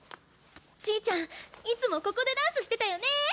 ちぃちゃんいつもここでダンスしてたよね！